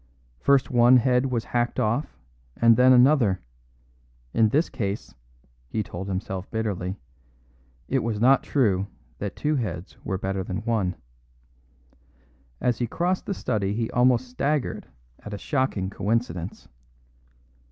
First one head was hacked off, and then another; in this case (he told himself bitterly) it was not true that two heads were better than one. As he crossed the study he almost staggered at a shocking coincidence.